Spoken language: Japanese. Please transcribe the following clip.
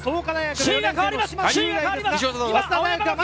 首位が変わります！